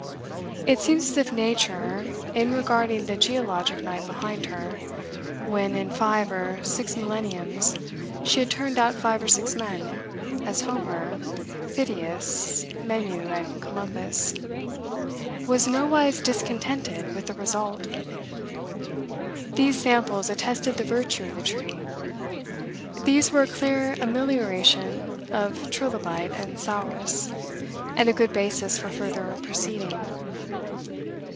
It seems as if nature, in regarding the geologic night behind her, when, in five or six millenniums, she had turned out five or six men, as Homer, Phidias, Menu, and Columbus, was nowise discontented with the result. These samples attested the virtue of the tree. These were a clear amelioration of trilobite and saurus, and a good basis for further proceeding.